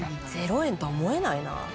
「０円とは思えないな」